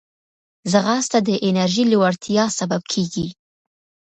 ځغاسته د انرژۍ لوړتیا سبب کېږي